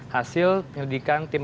hasil penyelidikan tim